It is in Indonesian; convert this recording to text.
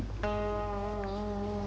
mas suha jahat